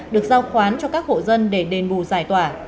được giao khoán cho các hộ dân để đền bù giải tỏa